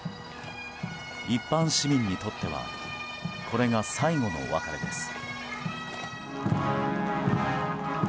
一般市民にとってはこれが最後のお別れです。